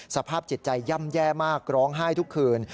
สภาพจิตใจย่ำแย่มากร้องไห้ทุกคืน